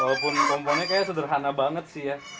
walaupun komponennya kayaknya sederhana banget sih ya